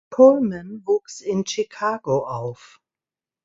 Coleman wuchs in Chicago auf.